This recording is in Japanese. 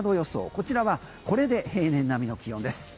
こちらはこれで平年並みの気温です。